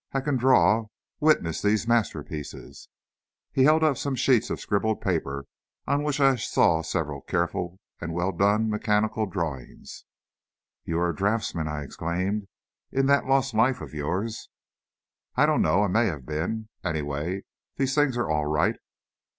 I can draw! Witness these masterpieces!" He held up some sheets of scribble paper on which I saw several careful and well done mechanical drawings. "You were a draughtsman!" I exclaimed, "in that lost life of yours." "I don't know. I may have been. Anyway, these things are all right."